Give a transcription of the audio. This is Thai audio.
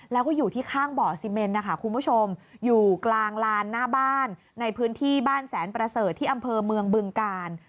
แล้วก็อยู่ที่ข้างบ่อซีเมนนะคะคุณผู้ชมอยู่กลางลานหน้าบ้านในพื้นที่บ้านแสนประเสริฐที่อำเภอเมืองบึงกาล